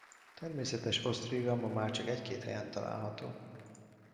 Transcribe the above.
Természetes osztriga ma már csak egy-két helyen található.